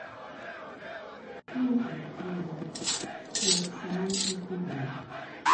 Handy Award for "Song of the Year".